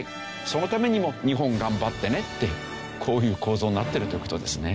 そのためにも日本頑張ってねってこういう構造になってるという事ですね。